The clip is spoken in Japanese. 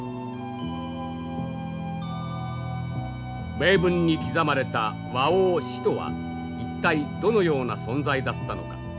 銘文に刻まれた「倭王旨」とは一体どのような存在だったのか。